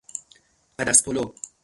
عدس پلو